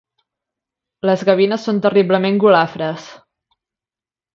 Les gavines són terriblement golafres.